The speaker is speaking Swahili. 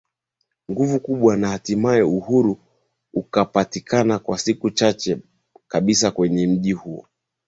nguvu kubwa na hatimaye Uhuru ukapatikana kwa siku chache kabisa Kwenye mji huo